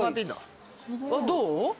どう？